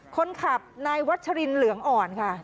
คนขับนายวัชรินเหลืองอ่อนค่ะ